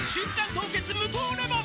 凍結無糖レモン」